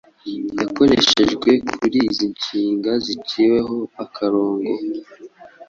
yakoreshejwe kuri izi nshinga ziciweho akarongo: